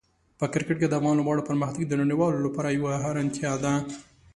په کرکټ کې د افغان لوبغاړو پرمختګ د نړیوالو لپاره یوه حیرانتیا ده.